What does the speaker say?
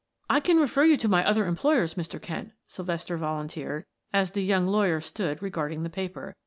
"I can refer you to my other employers, Mr. Kent," Sylvester volunteered as the young lawyer stood regarding the paper.